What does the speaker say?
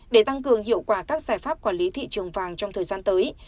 để tăng cường hiệu quả các giải pháp quản lý thị trường vàng trong thời gian tới